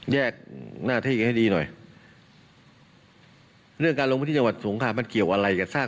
แยกหน้าที่กันให้ดีหน่อยเรื่องการลงพื้นที่จังหวัดสงครามมันเกี่ยวอะไรกับสร้าง